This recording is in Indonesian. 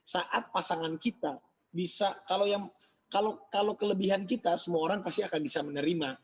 saat pasangan kita bisa kalau kelebihan kita semua orang pasti akan bisa menerima